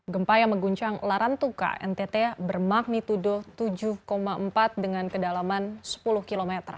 gempa yang mengguncang larantuka ntt bermagnitudo tujuh empat dengan kedalaman sepuluh km